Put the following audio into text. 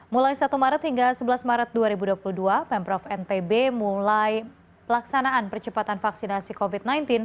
mulai satu maret hingga sebelas maret dua ribu dua puluh dua pemprov ntb mulai pelaksanaan percepatan vaksinasi covid sembilan belas